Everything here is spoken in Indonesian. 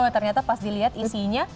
ternyata pas dilihat isinya